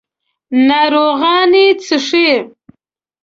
ناروغان یې څښي.